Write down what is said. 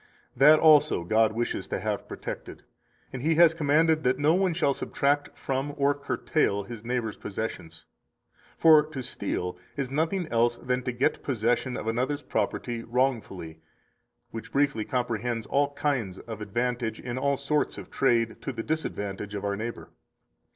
That also God wishes to have protected, and He has commanded that no one shall subtract from, or curtail, his neighbor's possessions. 224 For to steal is nothing else than to get possession of another's property wrongfully, which briefly comprehends all kinds of advantage in all sorts of trade to the disadvantage of our neighbor.